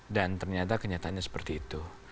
dan ternyata kenyataannya seperti itu